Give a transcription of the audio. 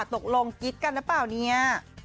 กิ๊กกันหรือเปล่าเนี่ย